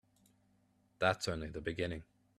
That's only the beginning.